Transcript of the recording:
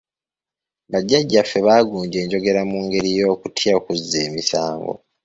Bajjajjaffe baagunja enjogera mu ngeri y’okutya okuzza emisango.